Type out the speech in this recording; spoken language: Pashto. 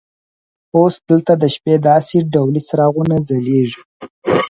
اوس دلته د شپې داسې ډولي څراغونه ځلیږي.